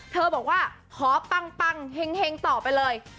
เธอบอกว่าขอปังปังเฮ็งต่อไปเลย